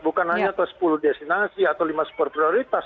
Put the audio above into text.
bukan hanya ke sepuluh destinasi atau lima super prioritas